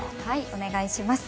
お願いします。